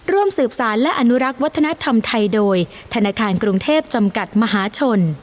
ร่วมสืบสารและอนุรักษ์วัฒนธรรมไทยโดยธนาคารกรุงเทพจำกัดมหาชน